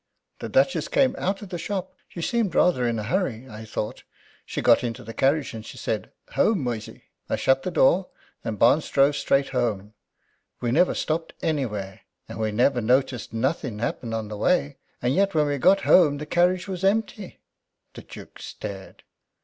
The Duchess came out of the shop. She seemed rather in a hurry, I thought. She got into the carriage, and she said, 'Home, Moysey!' I shut the door, and Barnes drove straight home. We never stopped anywhere, and we never noticed nothing happen on the way; and yet when we got home the carriage was empty." The Duke stared.